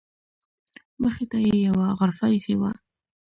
مخې ته یې یوه غرفه ایښې وه.